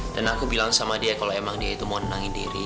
dan aku bilang sama dia kalau emang dia itu mau nangin diri